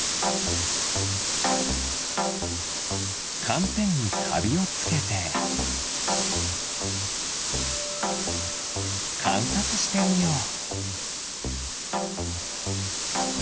かんてんにかびをつけてかんさつしてみよう。